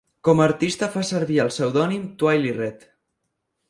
Com a artista fa servir el pseudònim Twirlyred.